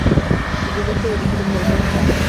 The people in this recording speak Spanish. El vídeo fue dirigido por Ben Chappell.